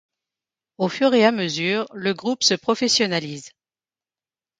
Au fur et à mesure, le groupe se professionnalise.